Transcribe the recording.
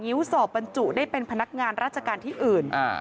ิ้วสอบบรรจุได้เป็นพนักงานราชการที่อื่น